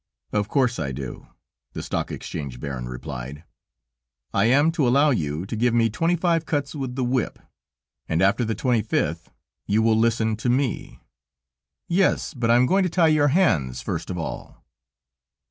"Of course I do," the Stock Exchange baron replied. "I am to allow you to give me twenty five cuts with the whip, and after the twenty fifth you will listen to me." "Yes, but I am going to tie your hands first of all."